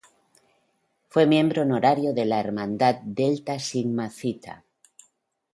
Fue miembro honorario de la hermandad Delta Sigma Theta.